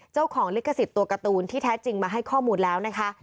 เจ้าของลิขสิทธิ์ตัวการ์ตูนที่แท้จริงมาให้ข้อมูลแล้วนะคะ